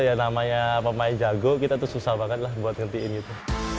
yang namanya pemain jago kita tuh susah banget lah buat ngertiin gitu